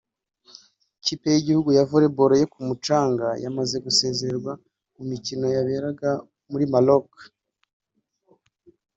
Ikipe y'igihugu ya Volleyball yo ku mucanga yamaze gusezererwa mu mikino yaberaga muri Maroc